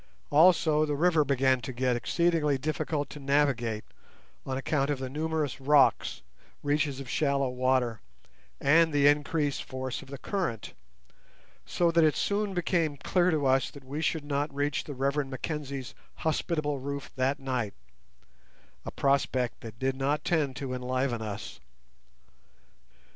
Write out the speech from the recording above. Also the river began to get exceedingly difficult to navigate on account of the numerous rocks, reaches of shallow water, and the increased force of the current; so that it soon became clear to us that we should not reach the Rev. Mackenzie's hospitable roof that night—a prospect that did not tend to enliven us.